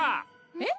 えっ？